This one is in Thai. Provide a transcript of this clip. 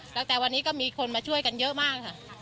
ตั้งแต่วันนี้ก็มีคนมาช่วยกันเยอะมากค่ะ